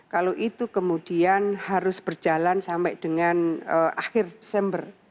kalau itu kemudian harus berjalan sampai dengan akhir desember